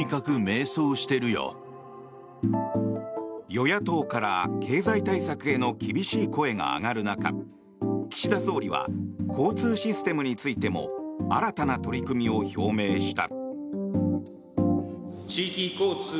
与野党から経済対策への厳しい声が上がる中岸田総理は交通システムについても新たな取り組みを表明した。